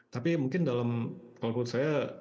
tapi mungkin dalam kalau menurut saya